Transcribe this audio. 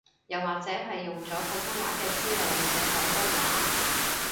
又或者係用咗普通話嘅思路去寫廣東話